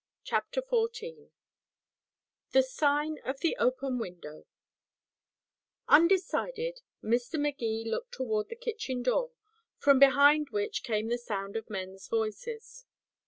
CHAPTER XIV THE SIGN OF THE OPEN WINDOW Undecided, Mr. Magee looked toward the kitchen door, from behind which came the sound of men's voices.